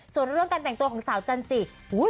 ส่วนเรื่องการแต่งตัวของสาวจันจิ